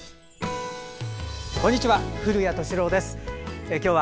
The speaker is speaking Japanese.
こんにちは。